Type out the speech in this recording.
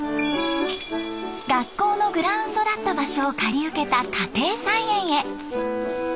学校のグラウンドだった場所を借り受けた家庭菜園へ。